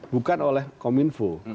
bukan oleh kominfo